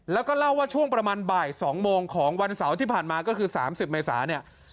แล้วก็เล่าว่าช่วงประมาณบ่าย๒โมงของวันเสาร์ที่ผ่านมาก็คือ๓๐เมษาเนี่ย